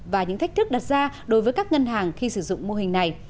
và những thách thức đặt ra đối với các ngân hàng khi sử dụng mô hình này